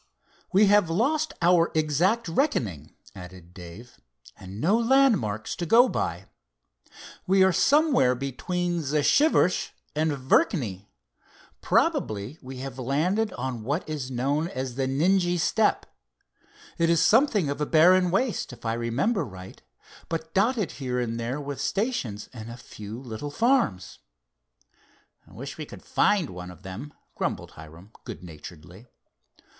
"We have lost our exact reckoning," added Dave, "and no landmarks to go by. We are somewhere between Zashiversh and Virkni. Probably we have landed on what is known as the Nijni steppe. It is something of a barren waste, if I remember right, but dotted here and there with stations and a few little farms." "Wish we could find one of them," grumbled Hiram, good naturedly.